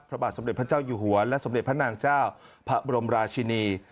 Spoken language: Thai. พระบาทสมเด็จพระเจ้าอยู่หัวและสมเด็จพระนางเจ้าพระบรมราชินี